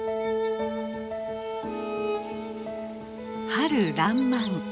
春らんまん。